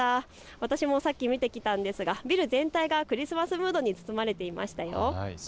私もさっき見てきたんですがビル全体がクリスマスムードに包まれていました。